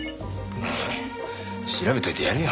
うん調べといてやるよ。